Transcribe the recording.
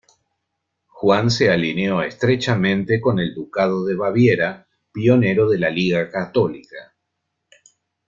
Juan se alineó estrechamente con el Ducado de Baviera, pionero de la Liga Católica.